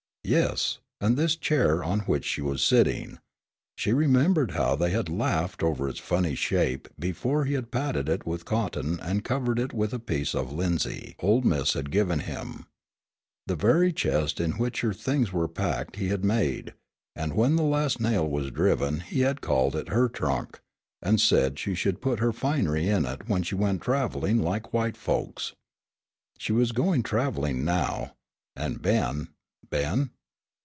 Yes, and this chair on which she was sitting she remembered how they had laughed over its funny shape before he had padded it with cotton and covered it with the piece of linsey "old Mis'" had given him. The very chest in which her things were packed he had made, and when the last nail was driven he had called it her trunk, and said she should put her finery in it when she went traveling like the white folks. She was going traveling now, and Ben Ben?